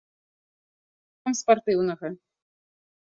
І што там спартыўнага?